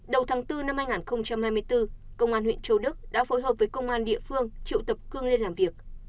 đầu tháng bốn năm hai nghìn hai mươi bốn công an huyện châu đức đã phối hợp với công an địa phương triệu tập cương lên làm việc